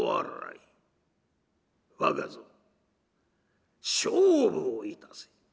若造勝負をいたせ。